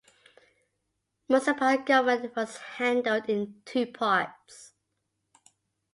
Municipal government was handled in two parts.